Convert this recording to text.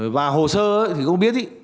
và hồ sơ thì không biết ý